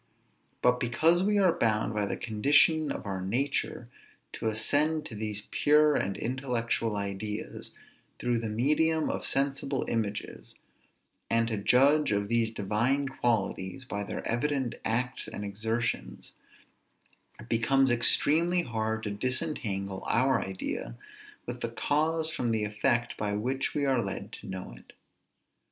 But because we are bound, by the condition of our nature, to ascend to these pure and intellectual ideas, through the medium of sensible images, and to judge of these divine qualities by their evident acts and exertions, it becomes extremely hard to disentangle our idea of the cause from the effect by which we are led to know it.